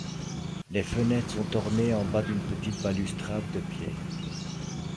Les fenêtres sont ornées en bas d'une petite balustrade de pierre.